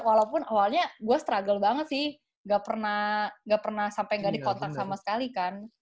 walaupun awalnya gue struggle banget sih gak pernah sampai nggak dikontak sama sekali kan